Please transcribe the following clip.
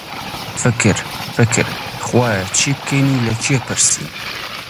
فکر، فکر، خوایە چی بکەین و لە کێ پرسین؟